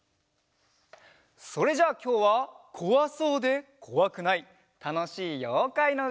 それじゃあきょうはこわそうでこわくないたのしいようかいのうた